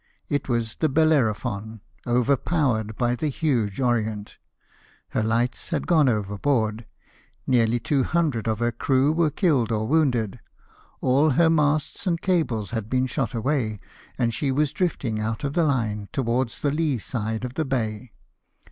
It was the Belleviyphon, overpowered by the huge Orient; her lights had gone overboard, nearly 200 of her crew were killed or wounded, all her masts and cables had been shot away, and she was drifting out of the line, towards the lee side of the bay.